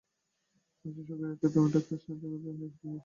অশেষ শুকরিয়া যে তুমি ডক্টর স্ট্রেঞ্জকে এখানে নিরাপদে নিয়ে এসেছো।